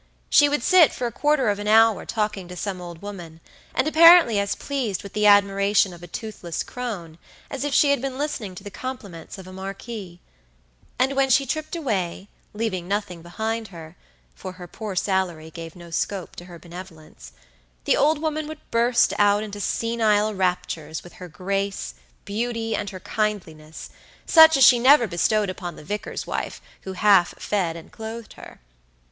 She would sit for a quarter of an hour talking to some old woman, and apparently as pleased with the admiration of a toothless crone as if she had been listening to the compliments of a marquis; and when she tripped away, leaving nothing behind her (for her poor salary gave no scope to her benevolence), the old woman would burst out into senile raptures with her grace, beauty, and her kindliness, such as she never bestowed upon the vicar's wife, who half fed and clothed her.